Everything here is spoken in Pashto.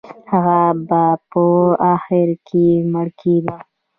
هغه به په اخر کې مړ کېده.